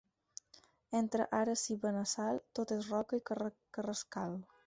Entre Ares i Benassal, tot és roca i carrascal.